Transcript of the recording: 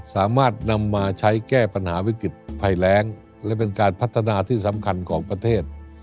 สามารถนำมาใช้แก้ปัญหาวิกฤตภัยแรงและเป็นการพัฒนาที่สำคัญของประเทศ